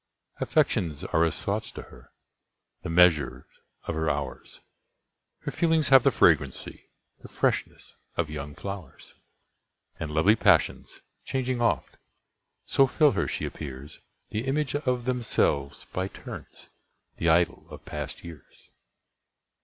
Affections are as thoughts to her, the measures of her hours; Her feelings have the fragrancy, the freshness, of young flowers; And lovely passions, changing oft, so fill her, she appearsThe image of themselves by turns,—the idol of past years!